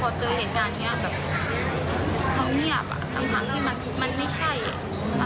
เขาจะรู้สึกอยากให้คนอื่นไม่เยี่ยมอย่างที่คุณคุณคุณความรู้สึกต้องการหรือเปล่า